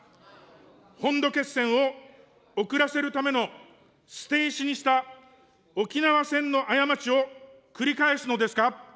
本土決戦を遅らせるための捨て石にした沖縄戦の過ちを繰り返すのですか。